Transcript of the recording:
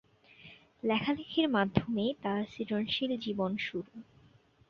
লেখালেখির মাধ্যমেই তার সৃজনশীল জীবন শুরু।